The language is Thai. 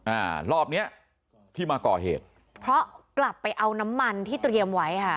อ่ารอบเนี้ยที่มาก่อเหตุเพราะกลับไปเอาน้ำมันที่เตรียมไว้ค่ะ